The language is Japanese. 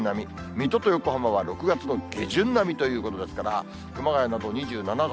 水戸と横浜は６月の下旬並みということですから、熊谷など２７度。